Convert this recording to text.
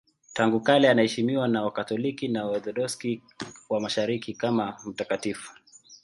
Tangu kale anaheshimiwa na Wakatoliki na Waorthodoksi wa Mashariki kama mtakatifu.